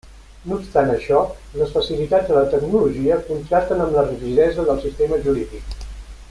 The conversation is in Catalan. No obstant això, les facilitats de la tecnologia contrasten amb la rigidesa del sistema jurídic.